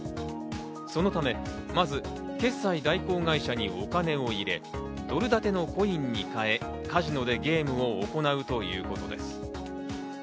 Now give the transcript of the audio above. そのため、まず決済代行会社にお金を入れ、ドル建てのコインに代え、カジノでゲームを行うということです。